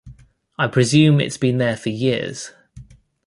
I presume it's been there for years.